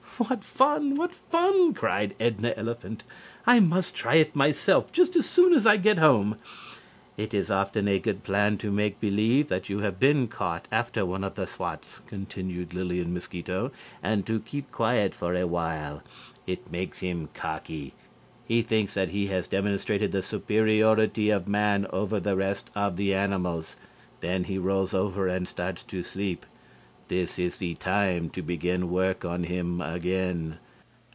"What fun! What fun!" cried Edna Elephant. "I must try it myself just as soon as ever I get home." "It is often a good plan to make believe that you have been caught after one of the swats," continued Lillian Mosquito, "and to keep quiet for a while. It makes him cocky. He thinks that he has demonstrated the superiority of man over the rest of the animals. Then he rolls over and starts to sleep. This is the time to begin work on him again.